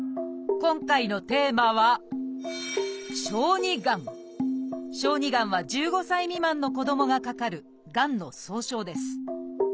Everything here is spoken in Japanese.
今回のテーマは「小児がん」は１５歳未満の子どもがかかるがんの総称です。